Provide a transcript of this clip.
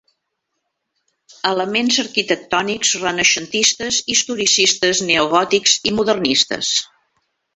Elements arquitectònics renaixentistes, historicistes, neogòtics i modernistes.